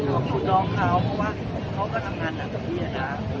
ขอบคุณน้องเขาท่านก็ทำงานดังทุกที